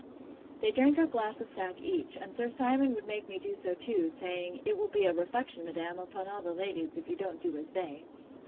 They drank a glass of sack each, and Sir Simon would make me do so too, saying, It will be a reflection, madam, upon all the ladies, if you don't do as they.